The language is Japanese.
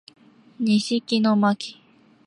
西木野真姫